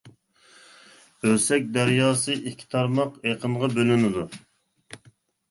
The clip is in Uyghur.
ئۆسەك دەرياسى ئىككى تارماق ئېقىنغا بۆلىنىدۇ.